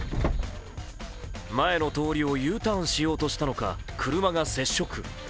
前の通りをＵターンしようとしたのか車が接触。